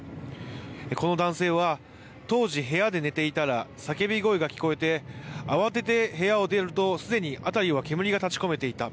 この男性は当時部屋で寝ていたら、叫び声が聞こえて、慌てて部屋を出ると、すでに辺りは煙が立ち込めていた。